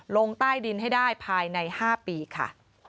ลงใต้ดินให้ได้ภายใน๕ปีค่ะ